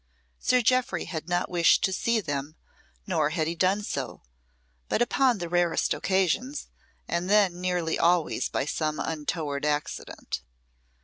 Sir Jeoffry had not wished to see them, nor had he done so, but upon the rarest occasions, and then nearly always by some untoward accident.